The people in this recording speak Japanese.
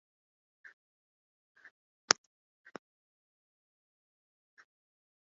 音声が幅広くコンピュータで利用されるようになった。